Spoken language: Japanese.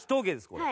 これ。